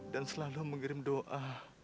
dan selalu mengirim doa